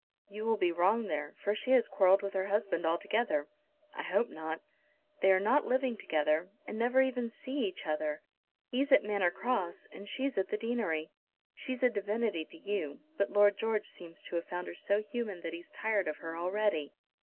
"You will be wrong there, for she has quarrelled with her husband altogether." "I hope not." "They are not living together, and never even see each other. He's at Manor Cross, and she's at the deanery. She's a divinity to you, but Lord George seems to have found her so human that he's tired of her already."